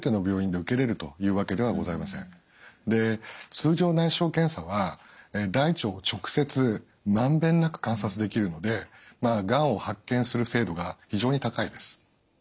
通常内視鏡検査は大腸を直接まんべんなく観察できるのでがんを発見する精度が非常に高いです。